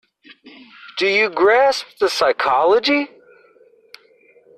Do you grasp the psychology?